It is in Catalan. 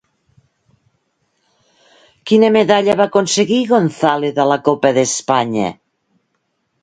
Quina medalla va aconseguir González a la Copa d'Espanya?